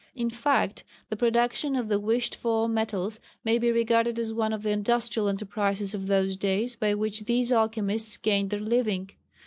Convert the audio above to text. In fact the production of the wished for metals may be regarded as one of the industrial enterprises of those days by which these alchemists gained their living.